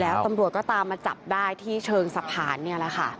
แล้วตำรวจก็ตามมาจับได้ที่เชิงสะพานเนี่ยแหละค่ะ